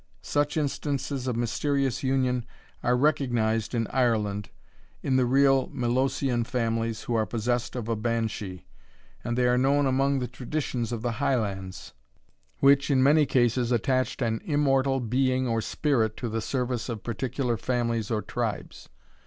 Such instances of mysterious union are recognized in Ireland, in the real Milosian families, who are possessed of a Banshie; and they are known among the traditions of the Highlands, which, in many cases, attached an immortal being or spirit to the service of particular families or tribes.